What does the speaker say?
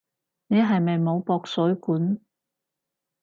你係咪冇駁水管？